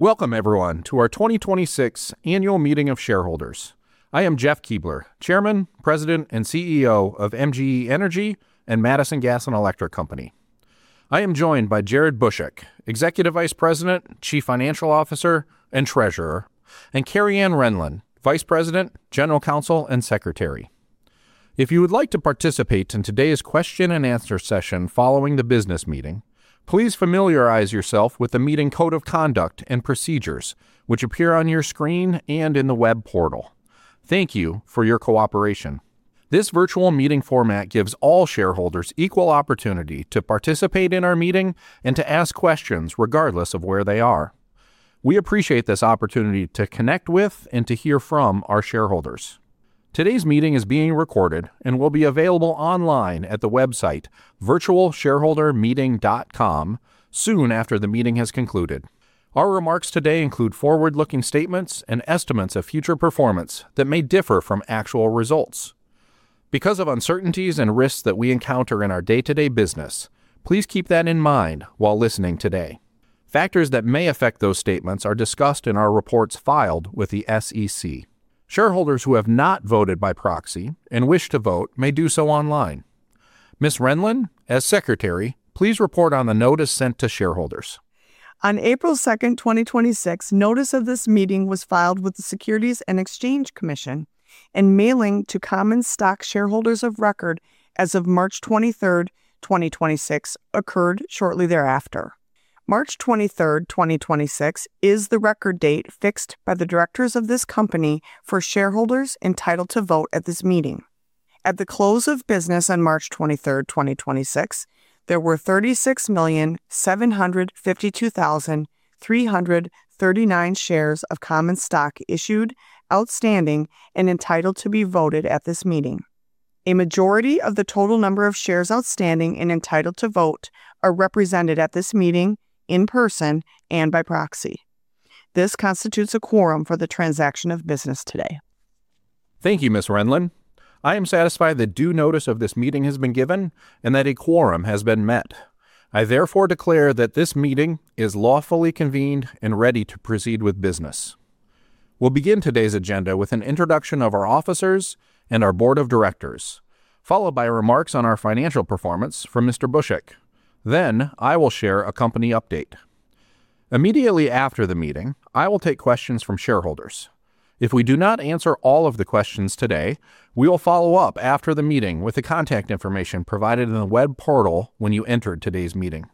Welcome everyone to our 2026 Annual Meeting of Shareholders. I am Jeff Keebler, Chairman, President, and CEO of MGE Energy and Madison Gas and Electric Company. I am joined by Jared Bushek, Executive Vice President, Chief Financial Officer, and Treasurer, and Cari Anne Renlund, Vice President, General Counsel, and Secretary. If you would like to participate in today's question and answer session following the business meeting, please familiarize yourself with the meeting code of conduct and procedures which appear on your screen and in the web portal. Thank you for your cooperation. This virtual meeting format gives all shareholders equal opportunity to participate in our meeting and to ask questions regardless of where they are. We appreciate this opportunity to connect with and to hear from our shareholders. Today's meeting is being recorded and will be available online at the website virtualshareholdermeeting.com soon after the meeting has concluded. Our remarks today include forward-looking statements and estimates of future performance that may differ from actual results. Because of uncertainties and risks that we encounter in our day-to-day business, please keep that in mind while listening today. Factors that may affect those statements are discussed in our reports filed with the SEC. Shareholders who have not voted by proxy and wish to vote may do so online. Ms. Renlund, as Secretary, please report on the notice sent to shareholders. On April 2, 2026, notice of this meeting was filed with the Securities and Exchange Commission and mailing to common stock shareholders of record as of March 23, 2026 occurred shortly thereafter. March 23, 2026 is the record date fixed by the directors of this company for shareholders entitled to vote at this meeting. At the close of business on March 23, 2026, there were 36,752,339 shares of common stock issued, outstanding, and entitled to be voted at this meeting. A majority of the total number of shares outstanding and entitled to vote are represented at this meeting in person and by proxy. This constitutes a quorum for the transaction of business today. Thank you, Ms. Renlund. I am satisfied that due notice of this meeting has been given and that a quorum has been met. I declare that this meeting is lawfully convened and ready to proceed with business. We'll begin today's agenda with an introduction of our Officers and our Board of Directors, followed by remarks on our financial performance from Mr. Bushek. I will share a company update. Immediately after the meeting, I will take questions from shareholders. If we do not answer all of the questions today, we will follow up after the meeting with the contact information provided in the web portal when you entered today's meeting.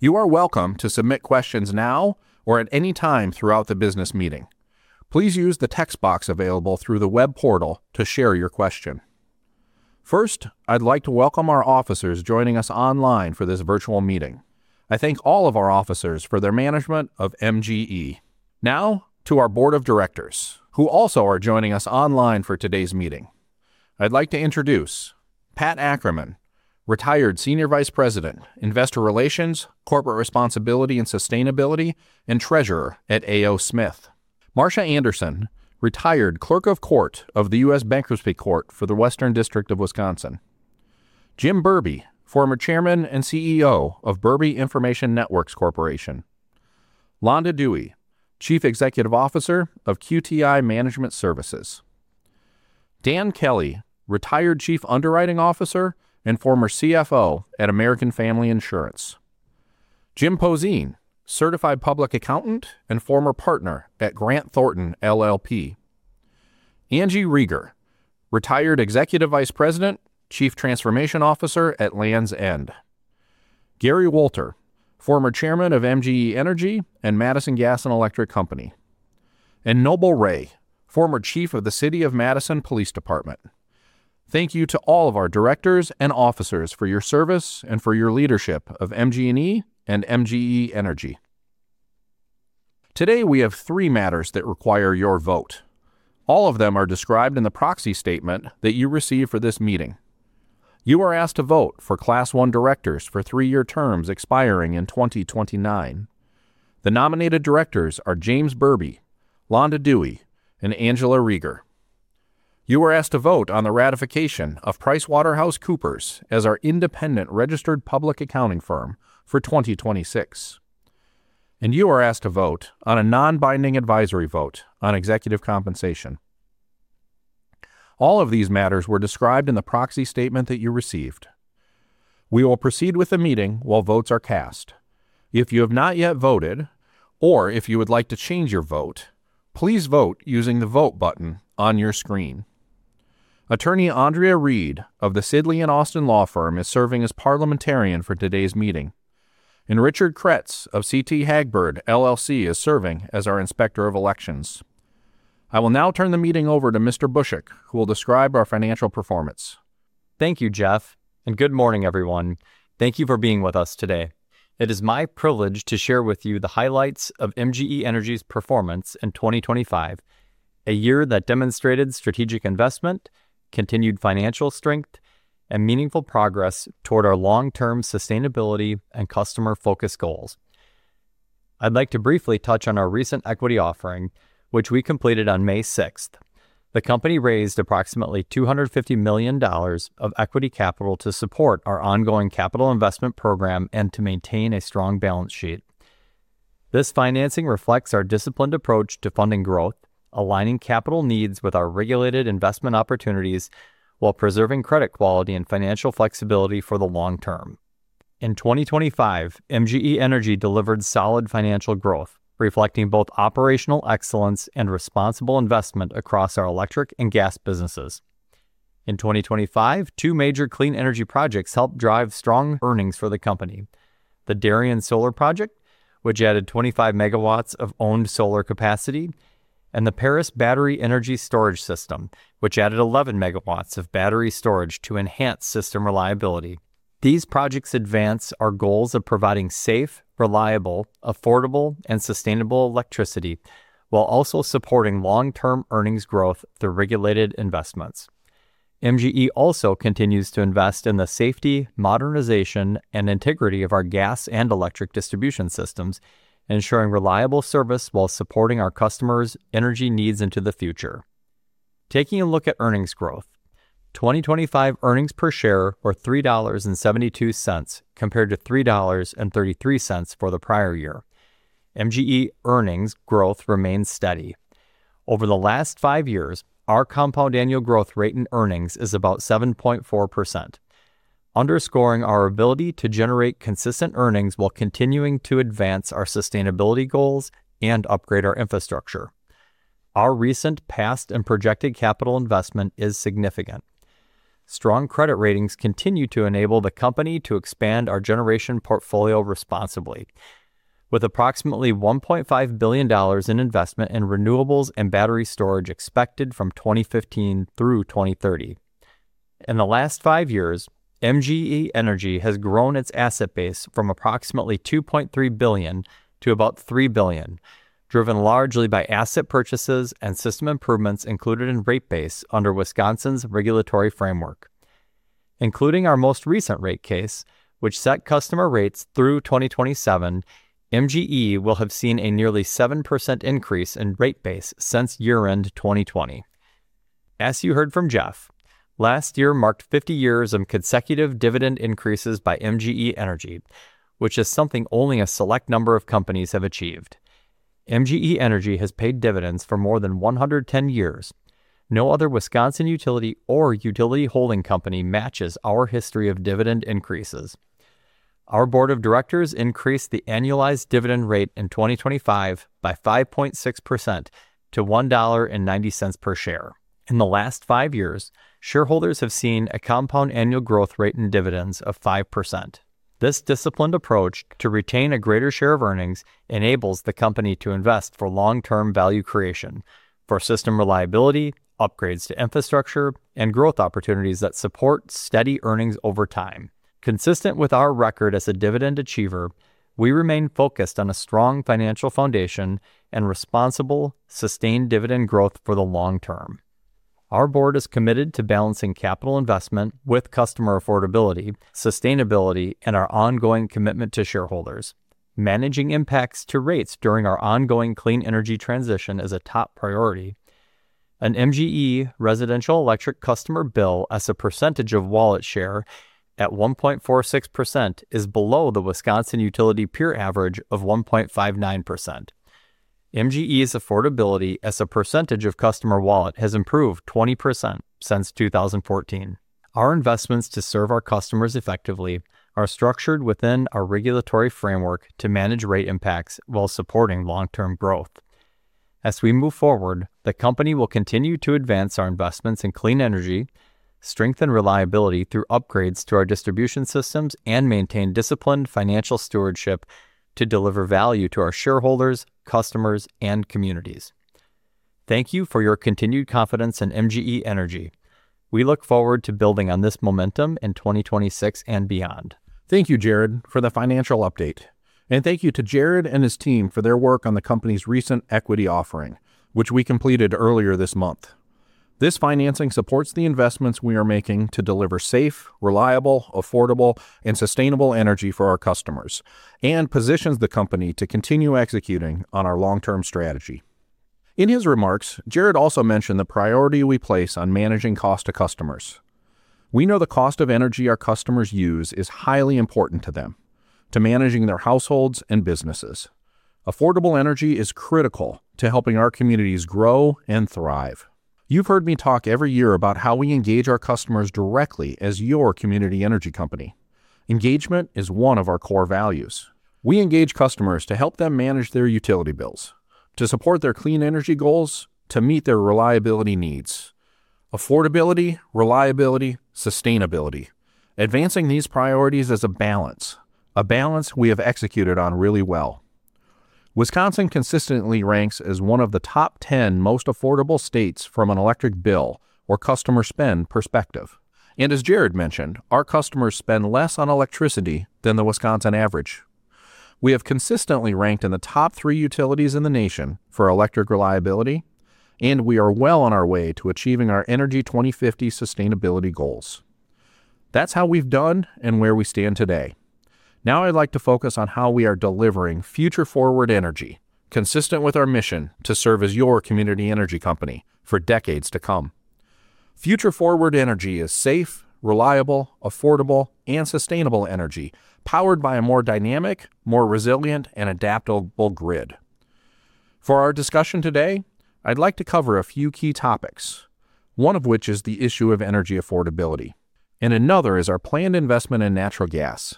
You are welcome to submit questions now or at any time throughout the business meeting. Please use the text box available through the web portal to share your question. First, I'd like to welcome our officers joining us online for this virtual meeting. I thank all of our officers for their management of MGE. To our Board of Directors, who also are joining us online for today's meeting. I'd like to introduce Pat Ackerman, retired Senior Vice President, Investor Relations, Corporate Responsibility and Sustainability, and Treasurer at A.O. Smith. Marcia Anderson, retired Clerk of Court of the U.S. Bankruptcy Court for the Western District of Wisconsin. Jim Berbee, former Chairman and CEO of Berbee Information Networks Corporation. Londa Dewey, Chief Executive Officer of QTI Management Services. Dan Kelly, retired Chief Underwriting Officer and former CFO at American Family Insurance. Jim Possin, Certified Public Accountant and former partner at Grant Thornton LLP. Angie Rieger, retired Executive Vice President, Chief Transformation Officer at Lands' End. Gary Wolter, former Chairman of MGE Energy and Madison Gas and Electric Company. Noble Wray, former Chief of the City of Madison Police Department. Thank you to all of our directors and officers for your service and for your leadership of MGE and MGE Energy. Today, we have three matters that require your vote. All of them are described in the proxy statement that you received for this meeting. You are asked to vote for Class I directors for three-year terms expiring in 2029. The nominated directors are James Berbee, Londa Dewey, and Angela Rieger. You are asked to vote on the ratification of PricewaterhouseCoopers as our independent registered public accounting firm for 2026. You are asked to vote on a non-binding advisory vote on executive compensation. All of these matters were described in the proxy statement that you received. We will proceed with the meeting while votes are cast. If you have not yet voted or if you would like to change your vote, please vote using the Vote button on your screen. Attorney Andrea Reed of the Sidley Austin law firm is serving as Parliamentarian for today's meeting. Richard Kretz of CT Hagberg LLC is serving as our Inspector of Elections. I will now turn the meeting over to Mr. Bushek, who will describe our financial performance. Thank you, Jeff. Good morning, everyone. Thank you for being with us today. It is my privilege to share with you the highlights of MGE Energy's performance in 2025, a year that demonstrated strategic investment, continued financial strength, and meaningful progress toward our long-term sustainability and customer-focused goals. I'd like to briefly touch on our recent equity offering, which we completed on May 6. The company raised approximately $250 million of equity capital to support our ongoing capital investment program and to maintain a strong balance sheet. This financing reflects our disciplined approach to funding growth, aligning capital needs with our regulated investment opportunities while preserving credit quality and financial flexibility for the long term. In 2025, MGE Energy delivered solid financial growth, reflecting both operational excellence and responsible investment across our electric and gas businesses. In 2025, two major clean energy projects helped drive strong earnings for the company: the Darien Solar project, which added 25 MW of owned solar capacity, and the Paris Battery Energy Storage System, which added 11 MW of battery storage to enhance system reliability. These projects advance our goals of providing safe, reliable, affordable, and sustainable electricity, while also supporting long-term earnings growth through regulated investments. MGE also continues to invest in the safety, modernization, and integrity of our gas and electric distribution systems, ensuring reliable service while supporting our customers' energy needs into the future. Taking a look at earnings growth. 2025 earnings per share were $3.72 compared to $3.33 for the prior year. MGE earnings growth remains steady. Over the last five years, our compound annual growth rate in earnings is about 7.4%, underscoring our ability to generate consistent earnings while continuing to advance our sustainability goals and upgrade our infrastructure. Our recent past and projected capital investment is significant. Strong credit ratings continue to enable the company to expand our generation portfolio responsibly. With approximately $1.5 billion in investment in renewables and battery storage expected from 2015 through 2030. In the last five years, MGE Energy has grown its asset base from approximately $2.3 billion to about $3 billion, driven largely by asset purchases and system improvements included in rate base under Wisconsin's regulatory framework. Including our most recent rate case, which set customer rates through 2027, MGE will have seen a nearly 7% increase in rate base since year-end 2020. As you heard from Jeff, last year marked 50 years of consecutive dividend increases by MGE Energy, which is something only a select number of companies have achieved. MGE Energy has paid dividends for more than 110 years. No other Wisconsin utility or utility holding company matches our history of dividend increases. Our Board of Directors increased the annualized dividend rate in 2025 by 5.6% to $1.90 per share. In the last five years, shareholders have seen a compound annual growth rate in dividends of 5%. This disciplined approach to retain a greater share of earnings enables the company to invest for long-term value creation for system reliability, upgrades to infrastructure, and growth opportunities that support steady earnings over time. Consistent with our record as a dividend achiever, we remain focused on a strong financial foundation and responsible, sustained dividend growth for the long term. Our board is committed to balancing capital investment with customer affordability, sustainability, and our ongoing commitment to shareholders. Managing impacts to rates during our ongoing clean energy transition is a top priority. An MGE residential electric customer bill as a percentage of wallet share at 1.46% is below the Wisconsin utility peer average of 1.59%. MGE's affordability as a percentage of customer wallet has improved 20% since 2014. Our investments to serve our customers effectively are structured within our regulatory framework to manage rate impacts while supporting long-term growth. As we move forward, the company will continue to advance our investments in clean energy, strengthen reliability through upgrades to our distribution systems, and maintain disciplined financial stewardship to deliver value to our shareholders, customers, and communities. Thank you for your continued confidence in MGE Energy. We look forward to building on this momentum in 2026 and beyond. Thank you, Jared, for the financial update. Thank you to Jared and his team for their work on the company's recent equity offering, which we completed earlier this month. This financing supports the investments we are making to deliver safe, reliable, affordable, and sustainable energy for our customers and positions the company to continue executing on our long-term strategy. In his remarks, Jared also mentioned the priority we place on managing cost to customers. We know the cost of energy our customers use is highly important to them, to managing their households and businesses. Affordable energy is critical to helping our communities grow and thrive. You've heard me talk every year about how we engage our customers directly as your community energy company. Engagement is one of our core values. We engage customers to help them manage their utility bills, to support their clean energy goals, to meet their reliability needs. Affordability, reliability, sustainability. Advancing these priorities is a balance, a balance we have executed on really well. Wisconsin consistently ranks as one of the top 10 most affordable states from an electric bill or customer spend perspective. As Jared mentioned, our customers spend less on electricity than the Wisconsin average. We have consistently ranked in the top three utilities in the nation for electric reliability, and we are well on our way to achieving our Energy 2050 sustainability goals. That's how we've done and where we stand today. Now I'd like to focus on how we are delivering future-forward energy, consistent with our mission to serve as your community energy company for decades to come. Future-forward energy is safe, reliable, affordable, and sustainable energy powered by a more dynamic, more resilient, and adaptable grid. For our discussion today, I'd like to cover a few key topics, one of which is the issue of energy affordability, and another is our planned investment in natural gas.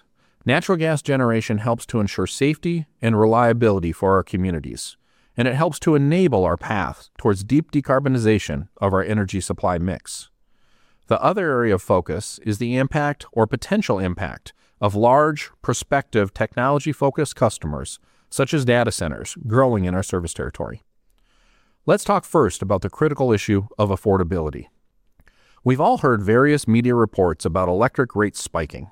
Natural gas generation helps to ensure safety and reliability for our communities, and it helps to enable our path towards deep decarbonization of our energy supply mix. The other area of focus is the impact or potential impact of large prospective technology-focused customers, such as data centers growing in our service territory. Let's talk first about the critical issue of affordability. We've all heard various media reports about electric rates spiking.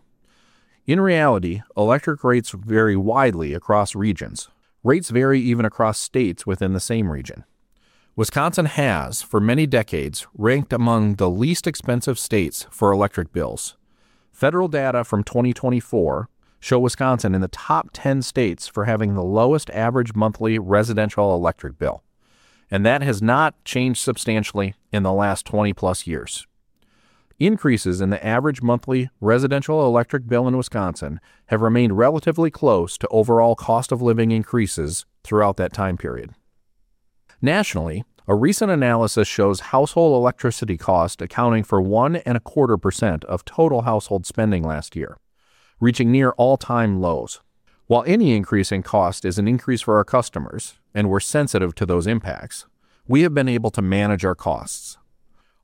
In reality, electric rates vary widely across regions. Rates vary even across states within the same region. Wisconsin has, for many decades, ranked among the least expensive states for electric bills. Federal data from 2024 show Wisconsin in the top 10 states for having the lowest average monthly residential electric bill, and that has not changed substantially in the last 20+ years. Increases in the average monthly residential electric bill in Wisconsin have remained relatively close to overall cost-of-living increases throughout that time period. Nationally, a recent analysis shows household electricity cost accounting for 1.25% of total household spending last year, reaching near all-time lows. While any increase in cost is an increase for our customers, and we're sensitive to those impacts, we have been able to manage our costs.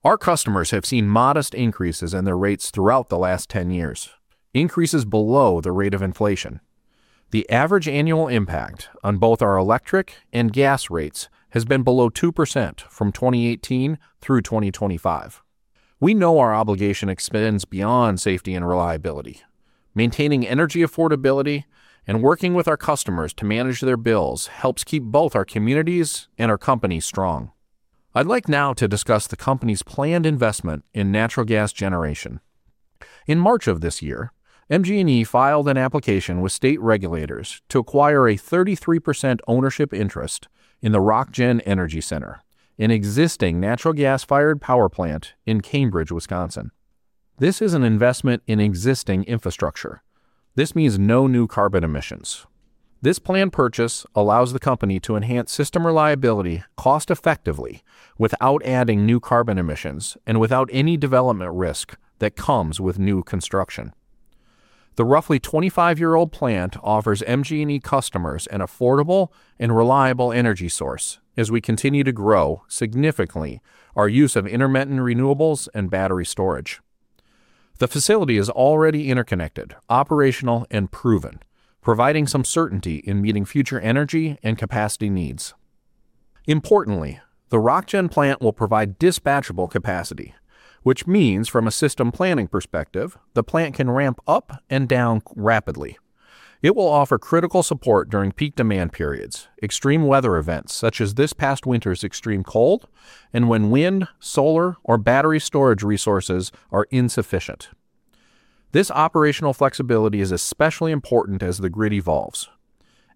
Our customers have seen modest increases in their rates throughout the last 10 years, increases below the rate of inflation. The average annual impact on both our electric and gas rates has been below 2% from 2018 through 2025. We know our obligation expands beyond safety and reliability. Maintaining energy affordability and working with our customers to manage their bills helps keep both our communities and our company strong. I'd like now to discuss the company's planned investment in natural gas generation. In March of this year, MGE filed an application with state regulators to acquire a 33% ownership interest in the RockGen Energy Center, an existing natural gas-fired power plant in Cambridge, Wisconsin. This is an investment in existing infrastructure. This means no new carbon emissions. This planned purchase allows the company to enhance system reliability cost-effectively without adding new carbon emissions and without any development risk that comes with new construction. The roughly 25-year-old plant offers MGE customers an affordable and reliable energy source as we continue to grow significantly our use of intermittent renewables and battery storage. The facility is already interconnected, operational, and proven, providing some certainty in meeting future energy and capacity needs. Importantly, the RockGen plant will provide dispatchable capacity, which means from a system planning perspective, the plant can ramp up and down rapidly. It will offer critical support during peak demand periods, extreme weather events such as this past winter's extreme cold, and when wind, solar, or battery storage resources are insufficient. This operational flexibility is especially important as the grid evolves.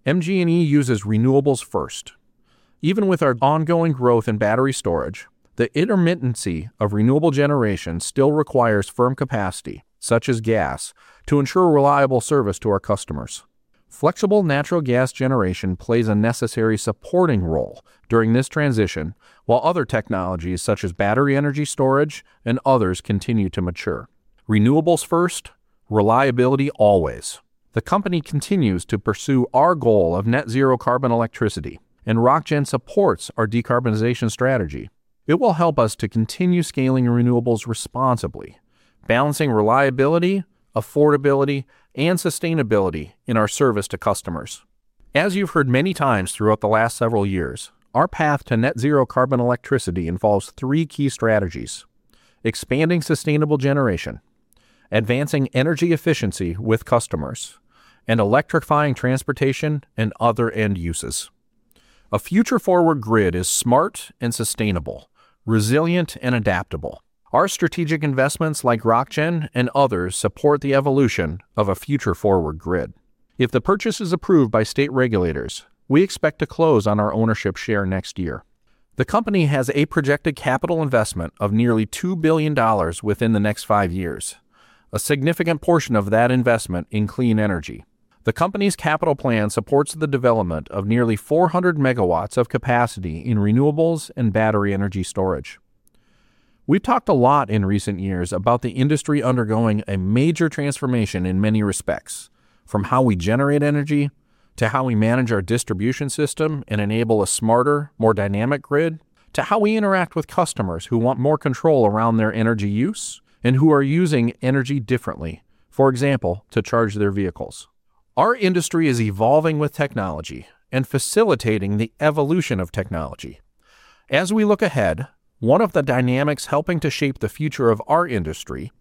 MGE uses renewables first. Even with our ongoing growth in battery storage, the intermittency of renewable generation still requires firm capacity, such as gas, to ensure reliable service to our customers. Flexible natural gas generation plays a necessary supporting role during this transition, while other technologies such as battery energy storage and others continue to mature. Renewables first, reliability always. The company continues to pursue our goal of net-zero carbon electricity, and RockGen supports our decarbonization strategy. It will help us to continue scaling renewables responsibly, balancing reliability, affordability, and sustainability in our service to customers. As you've heard many times throughout the last several years, our path to net-zero carbon electricity involves three key strategies: expanding sustainable generation, advancing energy efficiency with customers, and electrifying transportation and other end uses. A future-forward grid is smart and sustainable, resilient and adaptable. Our strategic investments like RockGen and others support the evolution of a future-forward grid. If the purchase is approved by state regulators, we expect to close on our ownership share next year. The company has a projected capital investment of nearly $2 billion within the next five years, a significant portion of that investment in clean energy. The company's capital plan supports the development of nearly 400 MW of capacity in renewables and battery energy storage. We've talked a lot in recent years about the industry undergoing a major transformation in many respects, from how we generate energy to how we manage our distribution system and enable a smarter, more dynamic grid, to how we interact with customers who want more control around their energy use and who are using energy differently, for example, to charge their vehicles. Our industry is evolving with technology and facilitating the evolution of technology. As we look ahead, one of the dynamics helping to shape the future of our industry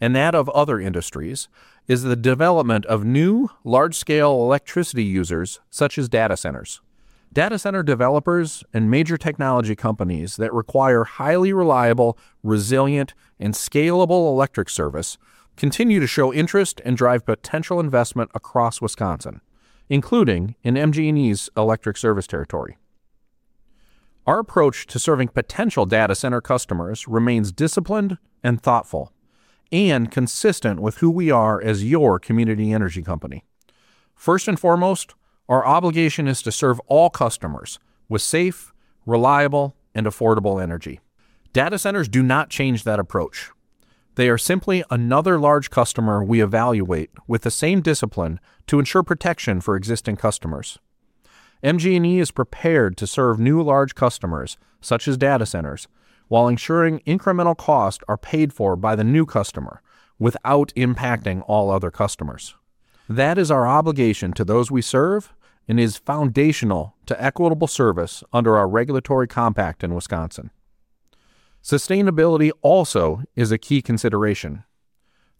and that of other industries is the development of new large-scale electricity users such as data centers. Data center developers and major technology companies that require highly reliable, resilient, and scalable electric service continue to show interest and drive potential investment across Wisconsin. Including in MGE's electric service territory. Our approach to serving potential data center customers remains disciplined and thoughtful and consistent with who we are as your community energy company. First and foremost, our obligation is to serve all customers with safe, reliable, and affordable energy. Data centers do not change that approach. They are simply another large customer we evaluate with the same discipline to ensure protection for existing customers. MGE is prepared to serve new large customers, such as data centers, while ensuring incremental costs are paid for by the new customer without impacting all other customers. That is our obligation to those we serve and is foundational to equitable service under our regulatory compact in Wisconsin. Sustainability also is a key consideration.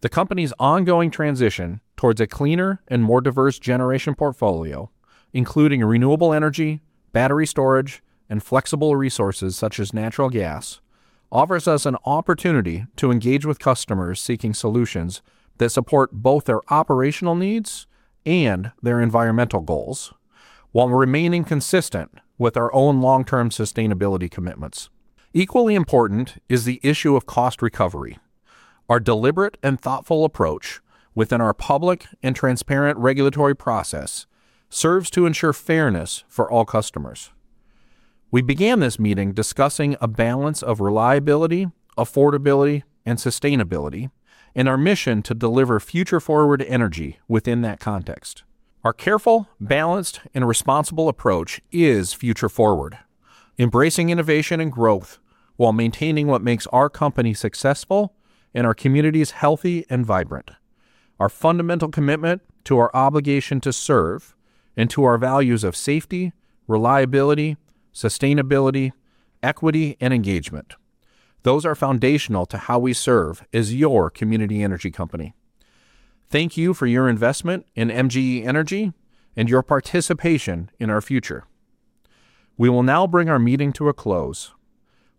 The company's ongoing transition towards a cleaner and more diverse generation portfolio, including renewable energy, battery storage, and flexible resources such as natural gas, offers us an opportunity to engage with customers seeking solutions that support both their operational needs and their environmental goals while remaining consistent with our own long-term sustainability commitments. Equally important is the issue of cost recovery. Our deliberate and thoughtful approach within our public and transparent regulatory process serves to ensure fairness for all customers. We began this meeting discussing a balance of reliability, affordability, and sustainability and our mission to deliver future-forward energy within that context. Our careful, balanced, and responsible approach is future-forward, embracing innovation and growth while maintaining what makes our company successful and our communities healthy and vibrant. Our fundamental commitment to our obligation to serve and to our values of safety, reliability, sustainability, equity, and engagement. Those are foundational to how we serve as your community energy company. Thank you for your investment in MGE Energy and your participation in our future. We will now bring our meeting to a close.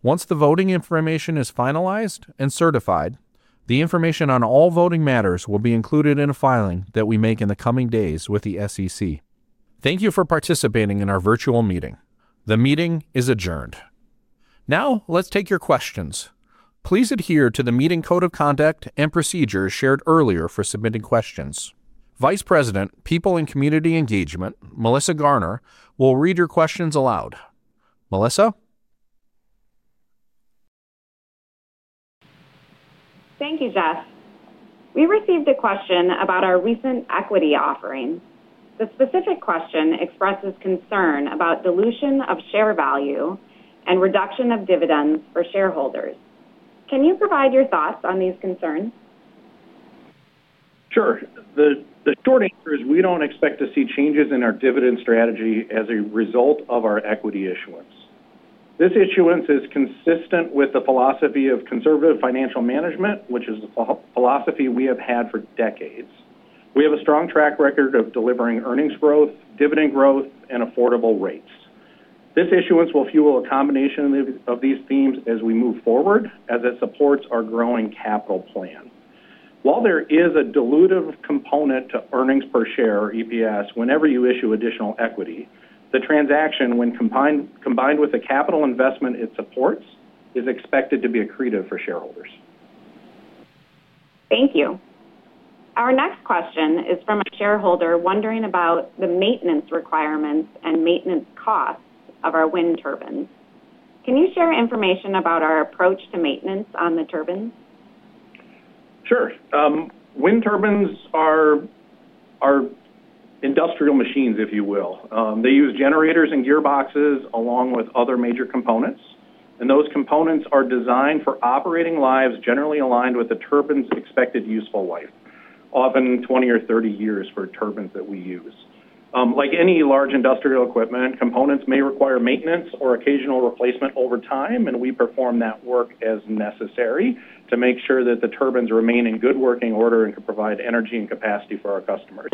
Once the voting information is finalized and certified, the information on all voting matters will be included in a filing that we make in the coming days with the SEC. Thank you for participating in our virtual meeting. The meeting is adjourned. Now let's take your questions. Please adhere to the meeting code of conduct and procedures shared earlier for submitting questions. Vice President, People and Community Engagement, Melissa Garner, will read your questions aloud. Melissa? Thank you, Jeff. We received a question about our recent equity offering. The specific question expresses concern about dilution of share value and reduction of dividends for shareholders. Can you provide your thoughts on these concerns? Sure. The short answer is we don't expect to see changes in our dividend strategy as a result of our equity issuance. This issuance is consistent with the philosophy of conservative financial management, which is a philosophy we have had for decades. We have a strong track record of delivering earnings growth, dividend growth, and affordable rates. This issuance will fuel a combination of these themes as we move forward, as it supports our growing capital plan. While there is a dilutive component to earnings per share or EPS whenever you issue additional equity, the transaction when combined with the capital investment it supports, is expected to be accretive for shareholders. Thank you. Our next question is from a shareholder wondering about the maintenance requirements and maintenance costs of our wind turbines. Can you share information about our approach to maintenance on the turbines? Sure. Wind turbines are industrial machines, if you will. They use generators and gearboxes along with other major components, and those components are designed for operating lives generally aligned with the turbine's expected useful life, often 20 or 30 years for turbines that we use. Like any large industrial equipment, components may require maintenance or occasional replacement over time, and we perform that work as necessary to make sure that the turbines remain in good working order and can provide energy and capacity for our customers.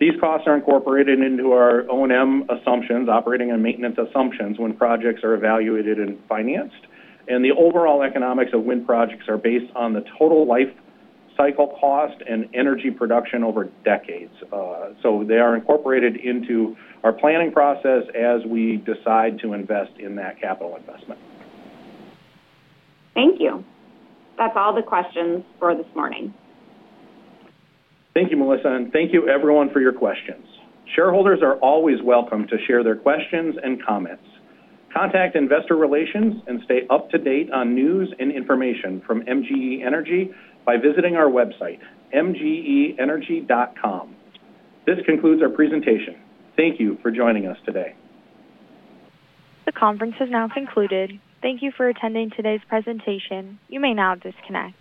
These costs are incorporated into our O&M assumptions, operating and maintenance assumptions, when projects are evaluated and financed, and the overall economics of wind projects are based on the total life cycle cost and energy production over decades. They are incorporated into our planning process as we decide to invest in that capital investment. Thank you. That's all the questions for this morning. Thank you, Melissa, and thank you everyone for your questions. Shareholders are always welcome to share their questions and comments. Contact investor relations and stay up to date on news and information from MGE Energy by visiting our website, mgeenergy.com. This concludes our presentation. Thank you for joining us today. The conference has now concluded. Thank you for attending today's presentation. You may now disconnect.